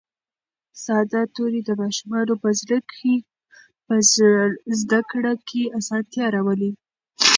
ساده توري د ماشومانو په زده کړه کې اسانتیا راولي